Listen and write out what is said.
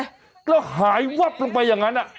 แล้วหายวับลงไปอย่างนั้น